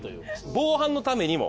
防犯のためにも。